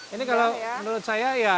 ini kalau menurut saya ya